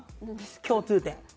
共通点。